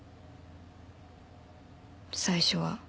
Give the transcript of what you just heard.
最初は。